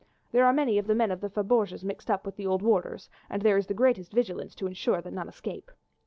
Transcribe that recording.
There are many of the men of the faubourgs mixed up with the old warders, and there is the greatest vigilance to ensure that none escape.